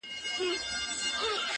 o نور ئې نور، عثمان ته لا هم غورځېدى!